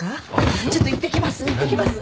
ちょっと行ってきます。